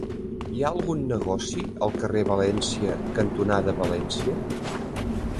Hi ha algun negoci al carrer València cantonada València?